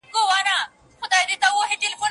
په لس ګونو چي مي خپل خپلوان وژلي